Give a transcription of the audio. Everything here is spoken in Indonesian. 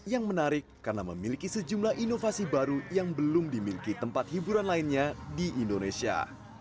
yang menarik karena memiliki sejumlah inovasi baru yang belum dimiliki tempat hiburan lainnya di indonesia